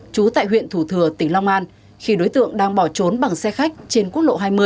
trú tại huyện thủ thừa tỉnh long an khi đối tượng đang bỏ trốn bằng xe khách trên quốc lộ hai mươi